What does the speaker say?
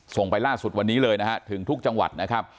ส่งไปล่าสุดวันนี้เลยเพื่อที่ทุกจังหวัด